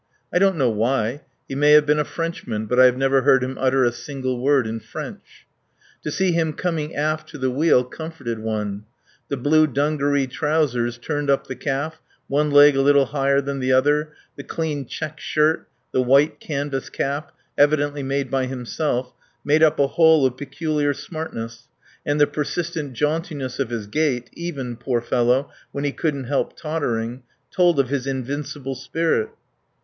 I don't know why. He may have been a Frenchman, but I have never heard him utter a single word in French. To see him coming aft to the wheel comforted one. The blue dungaree trousers turned up the calf, one leg a little higher than the other, the clean check shirt, the white canvas cap, evidently made by himself, made up a whole of peculiar smartness, and the persistent jauntiness of his gait, even, poor fellow, when he couldn't help tottering, told of his invincible spirit.